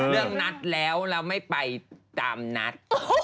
เล่างนัดแล้วเราไม่ไปตามนัด